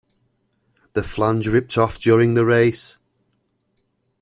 The flange ripped off during the race.